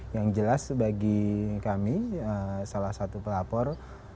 yang jelas bagi kami salah satu pelapor